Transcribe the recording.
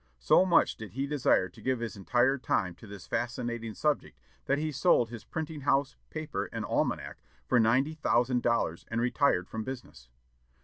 So much did he desire to give his entire time to this fascinating subject that he sold his printing house, paper, and almanac, for ninety thousand dollars, and retired from business.